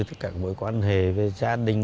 tất cả mối quan hệ với gia đình